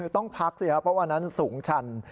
ต้องพักสิครับเพราะวันนั้นสูงชัน